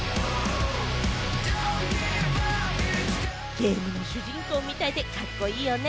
ゲームの主人公みたいでカッコいいよね。